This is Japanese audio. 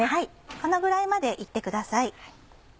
このぐらいまで炒ってください。